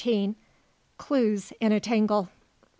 CLUES IN A TANGLE.